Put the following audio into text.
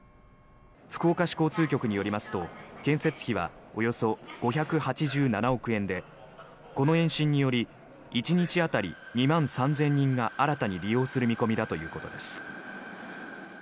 福岡市交通局によりますと建設費はおよそ５８７億円でこの延伸により１日当たり２万３０００人が新たに利用する見込みだということです。